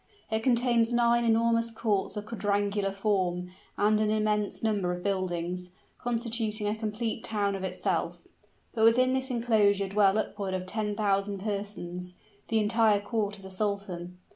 It contains nine enormous courts of quadrangular form, and an immense number of buildings constituting a complete town of itself. But within this inclosure dwell upward of ten thousand persons the entire court of the sultan.